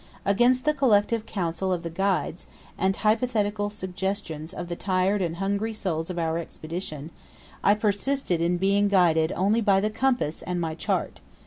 Against the collective counsel of the guides, and hypothetical suggestions of the tired and hungry souls of our Expedition, I persisted in being guided only by the compass and my chart.